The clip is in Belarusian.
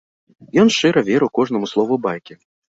Ён шчыра верыў кожнаму слову байкі.